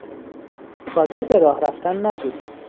قادر به راه رفتن نبود